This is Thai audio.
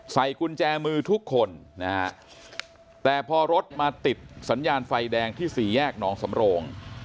ใส่กุญแจมือทุกคนนะฮะแต่พอรถมาติดสัญญาณไฟแดงที่สี่แยกหนองสำโรง